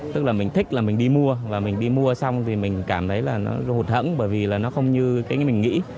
tức là mình thích là mình đi mua và mình đi mua xong thì mình cảm thấy là nó hụt hẫn bởi vì là nó không như cái mình nghĩ